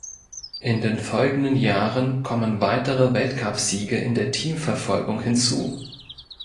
In den folgenden Jahren kommen weitere Weltcupsiege in der Teamverfolgung hinzu.